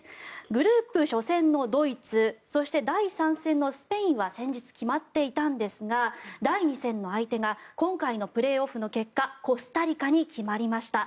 グループ初戦のドイツそして、第３戦のスペインは先日、決まっていたんですが第２戦の相手が今回のプレーオフの結果コスタリカに決まりました。